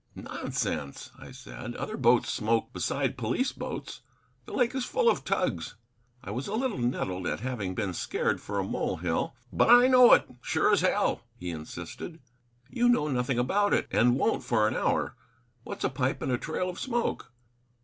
"Nonsense," I said; "other boats smoke beside police boats. The lake is full of tugs." I was a little nettled at having been scared for a molehill. "But I know it, sure as hell," he insisted. "You know nothing about it, and won't for an hour. What's a pipe and a trail of smoke?"